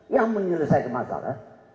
yang menyelesaikan masalah